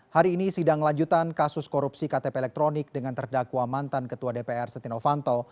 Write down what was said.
hari ini sidang lanjutan kasus korupsi ktp elektronik dengan terdakwa mantan ketua dpr setia novanto